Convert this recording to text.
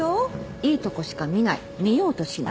いいとこしか見ない見ようとしない。